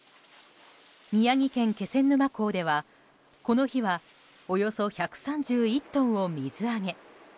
宮城県気仙沼港では、この日はおよそ１３１トンを水揚げ。